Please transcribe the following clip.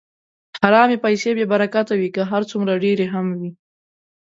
حرامې پیسې بېبرکته وي، که هر څومره ډېرې هم وي.